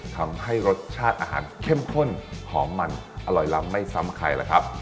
ทำให้รสชาติอาหารเข้มข้นหอมมันอร่อยล้ำไม่ซ้ำใครล่ะครับ